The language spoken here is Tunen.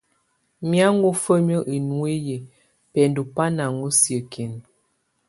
Mí aŋó femie ɔ nuiyi, bɛndo ba ŋaŋo siekin.